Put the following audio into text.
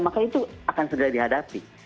maka itu akan segera dihadapi